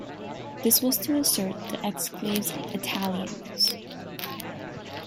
This was to assert the exclave's Italian-ness.